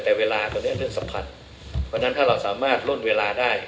แต่เวลาตัวเนี้ยเรื่องสัมผัสเพราะฉะนั้นถ้าเราสามารถล่นเวลาได้